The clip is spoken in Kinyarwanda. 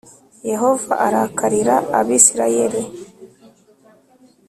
yehova arakarira abisirayeli